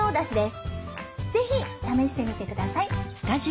是非試してみてください。